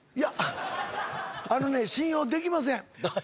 あのね信用できません。